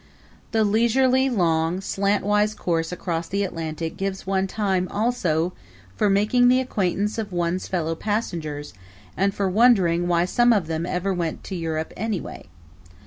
The leisurely, long, slantwise course across the Atlantic gives one time, also, for making the acquaintance of one's fellow passengers and for wondering why some of them ever went to Europe anyway.